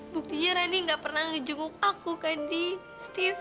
buktinya rani gak pernah ngejungguk aku kendi steve